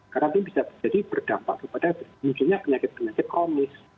karena ini bisa jadi berdampak kepada mungkin penyakit penyakit komis